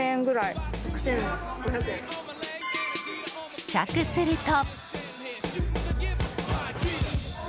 試着すると。